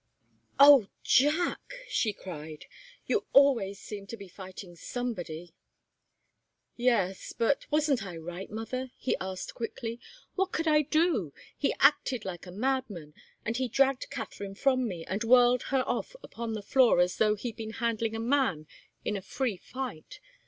"Oh, Jack!" she cried. "You always seem to be fighting somebody!" "Yes but wasn't I right, mother?" he asked, quickly. "What could I do? He acted like a madman, and he dragged Katharine from me and whirled her off upon the floor as though he'd been handling a man in a free fight.